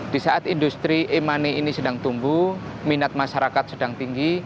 di saat industri e money ini sedang tumbuh minat masyarakat sedang tinggi